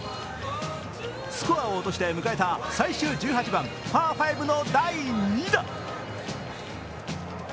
スコアを落として迎えた最終１８番、パー５の第２打。